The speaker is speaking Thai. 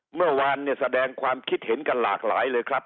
เมื่อวานเนี่ยแสดงความคิดเห็นกันหลากหลายเลยครับ